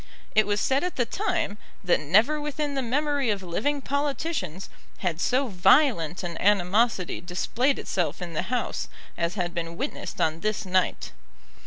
It was said at the time, that never within the memory of living politicians had so violent an animosity displayed itself in the House as had been witnessed on this night.